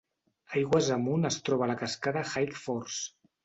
Aigües amunt es troba la cascada High Force.